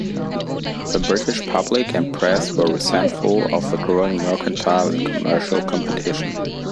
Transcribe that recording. The British public and press were resentful of the growing mercantile and commercial competition.